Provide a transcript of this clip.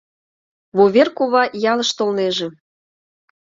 ВУВЕР КУВА ЯЛЫШ ТОЛНЕЖЕ